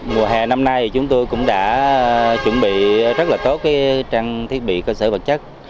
mùa hè năm nay chúng tôi cũng đã chuẩn bị rất là tốt trang thiết bị cơ sở vật chất